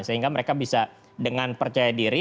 sehingga mereka bisa dengan percaya diri